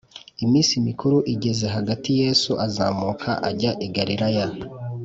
Iminsi mikuru igeze hagati Yesu azamuka ajya I galilaya